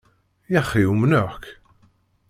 Yaxi umneɣ-k.